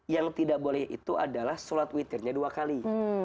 yang tidak boleh itu adalah sholat witirnya dua kali